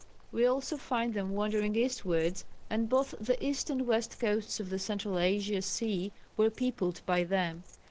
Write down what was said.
We also find them wandering eastwards, and both the east and west coasts of the central Asian sea were peopled by them.